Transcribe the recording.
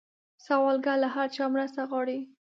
سوالګر له هر چا مرسته غواړي